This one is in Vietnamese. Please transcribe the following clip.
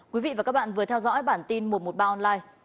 quý vị và các bạn vừa theo dõi bản tin một trăm một mươi ba online